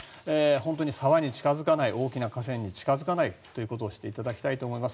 本当に沢に近付かない大きな河川に近付かないということをしていただきたいと思います。